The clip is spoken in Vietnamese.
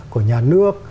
của nhà nước